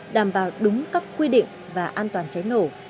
đảm bảo đúng các quy định và an toàn cháy nổ